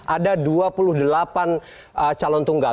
ada dua puluh delapan calon tunggal